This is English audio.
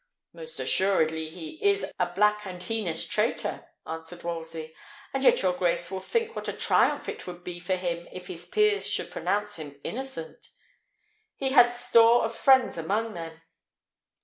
"Most assuredly he is a black and heinous traitor," answered Wolsey. "And yet your grace will think what a triumph it would be for him if his peers should pronounce him innocent. He has store of friends among them.